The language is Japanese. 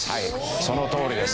そのとおりです。